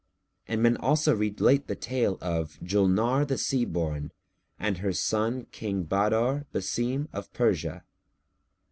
And men also relate the tale of JULNAR THE SEA BORN AND HER SON KING BADR BASIM OF PERSIA.